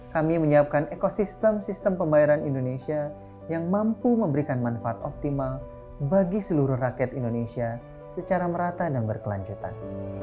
kami menyiapkan ekosistem sistem pembayaran indonesia yang mampu memberikan manfaat optimal bagi seluruh rakyat indonesia secara merata dan berkelanjutan